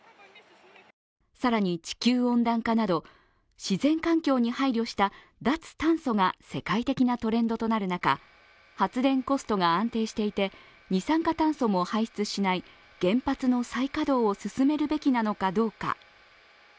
更に、地球温暖化など自然環境に配慮した脱炭素が世界的なトレンドとなる中、発電コストが安定していて二酸化炭素も排出しない原発の再稼働を進めるべきなのかどうか。